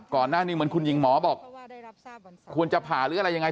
ก่อนหน้านี้เหมือนคุณหญิงหมอบอกควรจะผ่าหรืออะไรยังไง